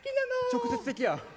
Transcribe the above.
直接的や！